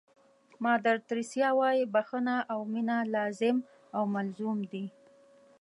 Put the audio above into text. مادر تریسیا وایي بښنه او مینه لازم او ملزوم دي.